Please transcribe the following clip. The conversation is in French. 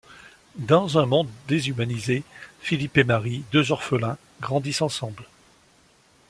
Dans un monde déshumanisé, Philippe et Marie, deux orphelins, grandissent ensemble.